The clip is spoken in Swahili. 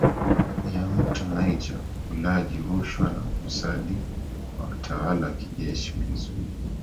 ya mto Niger Ulaji rushwa na ufisadi wa watawala wa kijeshi ulizuia